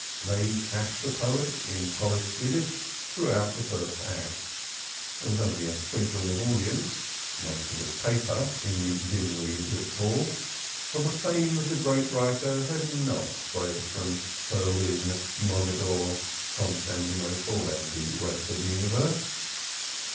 They chaffed the poet in polished Yiddish throughout the first two acts. There was only a sprinkling of audience (most of it paper) in the dimly lit hall, for the fame of the great writer had not spread from Berlin, Mogadore, Constantinople and the rest of the universe.